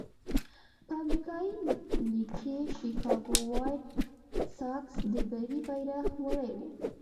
په امریکایي لېګ کې شکاګو وایټ ساکس د بري بیرغ وړی وو.